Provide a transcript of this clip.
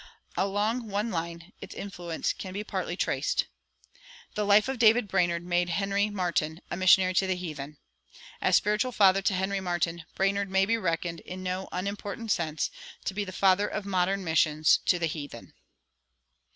Along one line its influence can be partly traced. The "Life of David Brainerd" made Henry Martyn a missionary to the heathen. As spiritual father to Henry Martyn, Brainerd may be reckoned, in no unimportant sense, to be the father of modern missions to the heathen.